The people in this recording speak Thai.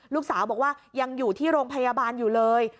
ลูกสาวบอกว่ายังอยู่ที่โรงพยาบาลอยู่เลย